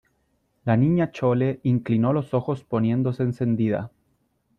la Niña Chole inclinó los ojos poniéndose encendida :